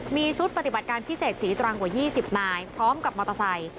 มีชุดปฏิบัติการพิเศษศรีตรังกว่า๒๐นายพร้อมกับมอเตอร์ไซค